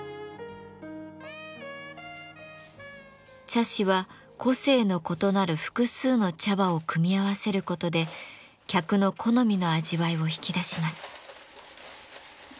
茶師は個性の異なる複数の茶葉を組み合わせることで客の好みの味わいを引き出します。